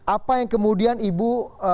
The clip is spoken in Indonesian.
apa yang kemudian ibu